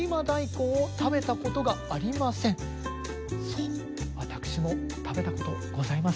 そう私も食べたことございません。